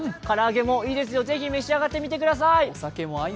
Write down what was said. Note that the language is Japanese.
唐揚げもいいですよ、ぜひ召し上がってみてください。